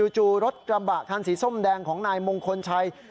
จู่รถกระบะคันสีส้มแดงของนายมงคลชัย